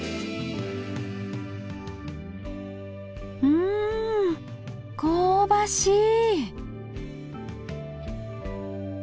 うん香ばしい。